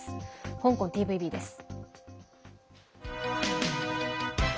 香港ＴＶＢです。